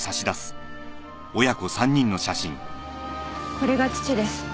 これが父です。